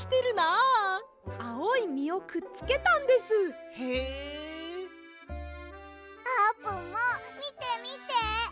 あーぷんもみてみて。